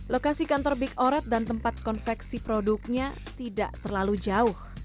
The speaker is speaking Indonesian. lokasi kantor big oret dan tempat konveksi produknya tidak terlalu jauh